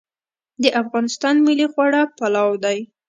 د افغانستان ملي خواړه پلاو دی